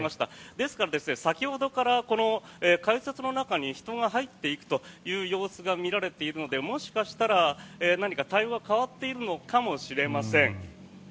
ですから、先ほどから改札の中に人が入っていくという様子が見られているのでもしかしたら、何か対応が変わっているのかもしれません。